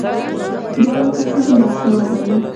دواړه کسان باسواده وو.